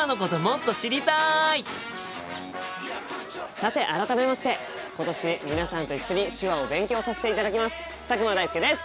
さて改めまして今年皆さんと一緒に手話を勉強させていただきます佐久間大介です！